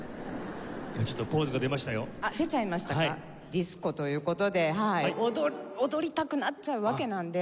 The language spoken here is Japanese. ディスコという事ではい踊りたくなっちゃうわけなんで。